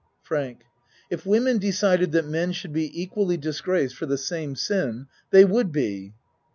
FRANK If women decided that men should be equally disgraced for the same sin, they would be.